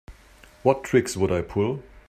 What tricks would I pull?